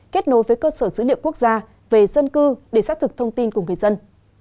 kết nối với cơ sở dữ liệu quốc gia về dân cư để xác thực thông tin của người dân